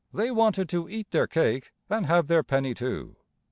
They wanted to eat their cake and have their penny too.